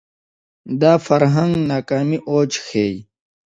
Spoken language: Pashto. دا فرهنګ ناکامۍ اوج ښيي